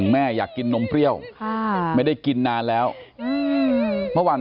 มันน่ากละเกลียวมาบอบกัน